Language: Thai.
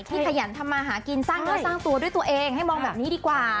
ที่ขยันทำมาหากินสร้างตัวด้วยตัวเองให้มองแบบนี้ดีกว่า